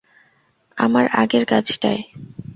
আমার আগের কাজটায়?